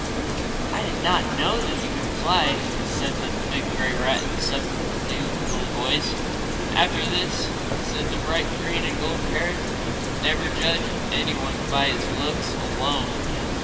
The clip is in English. "I did not know that you could fly," said the big grey rat in a subdued little voice. "After this," said the bright green and gold parrot, "never judge any one by his looks alone.